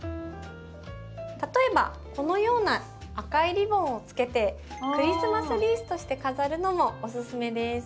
例えばこのような赤いリボンをつけてクリスマスリースとして飾るのもおすすめです。